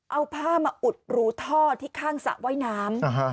เอาผ้ามาอุดรูท่อที่ข้างสระว่ายน้ำ